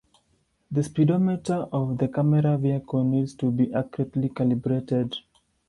The speedometer of the camera vehicle needs to be accurately calibrated.